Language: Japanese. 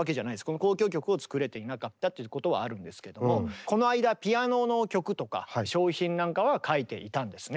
この交響曲を作れていなかったっていうことはあるんですけどもこの間ピアノの曲とか小品なんかは書いていたんですね。